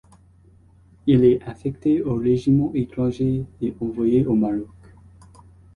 Il est affecté au régiment étranger et envoyé au Maroc.